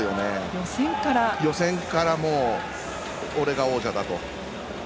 予選から、もう俺が王者だと。